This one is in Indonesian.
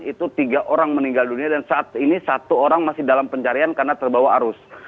itu tiga orang meninggal dunia dan saat ini satu orang masih dalam pencarian karena terbawa arus